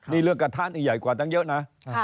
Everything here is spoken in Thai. นี่เรื่องกระทะนี่ใหญ่กว่าตั้งเยอะนะ